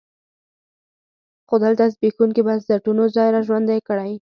خو دلته زبېښونکي بنسټونو ځان را ژوندی کړ.